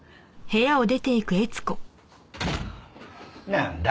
なんだ？